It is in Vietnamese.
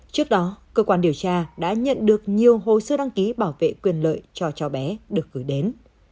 trước đó cơ quan điều tra đã nhận được nhiều hồ sơ đăng ký bảo vệ quyền lợi cho chó bé được gửi đến